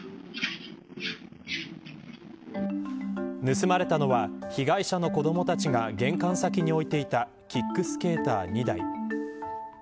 盗まれたのは被害者の子どもたちが玄関先に置いていたキックスケーター２台。